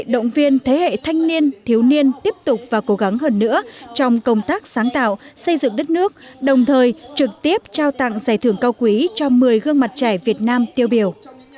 động viên thế hệ thanh niên thiếu niên tiếp tục và cố gắng hơn nữa trong công tác sáng tạo xây dựng đất nước đồng thời trực tiếp trao tặng giải thưởng cao quý cho một mươi gương mặt trẻ việt nam tiêu biểu